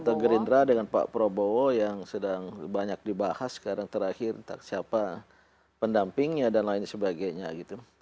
antara gerindra dengan pak prabowo yang sedang banyak dibahas sekarang terakhir tentang siapa pendampingnya dan lain sebagainya gitu